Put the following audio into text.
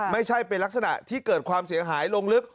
ไม่ใช่เป็นลักษณะที่เกิดความเสียหายลงลึก